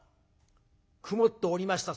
曇っておりました